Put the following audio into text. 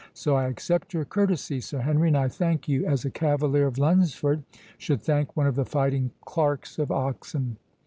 So I accept your courtesy, Sir Henry, and I thank you, as a cavalier of Lunsford should thank one of the fighting clerks of Oxon.